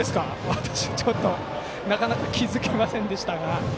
私はなかなか気付けませんでしたが。